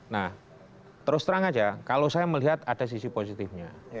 nah terus terang aja kalau saya melihat ada sisi positifnya